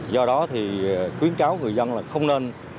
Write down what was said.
do đó thì khuyến cáo người dân là không nên